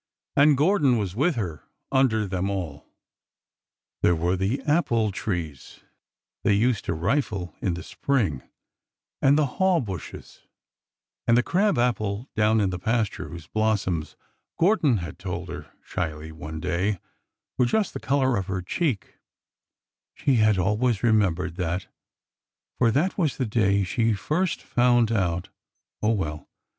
And Gor don was with her under them all ! There were the apple trees they used to rifle in the spring, and the haw bushes, and the crab apple down in the pasture, whose blossoms, Gordon had told her, shyly, one day, were just the color of her cheek; she had always remembered that, for that was the day she first found out —oh, well!